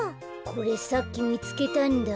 これさっきみつけたんだ。